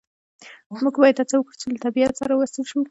موږ باید هڅه وکړو چې له طبیعت سره وصل شو